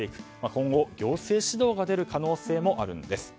今後、行政指導が出る可能性もあるんです。